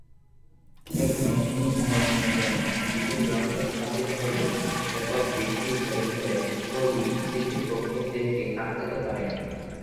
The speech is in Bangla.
সেখানে ভূমি সংরক্ষণের জন্য বিশেষ যন্ত্র স্থাপিত হলেও ব্যাপক বৃষ্টি-ঝড়ের ফলে পলি সৃষ্টির প্রক্রিয়া সেটি আটকাতে পারেনি।